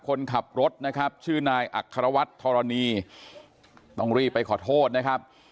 คนขับรถชื่อนายอักษรวัตรธรณีต้องรีบไปขอโทษนะครับ